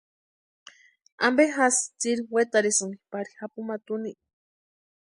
¿Ampe jásï tsiri wetarhisïnki pari japumata úni?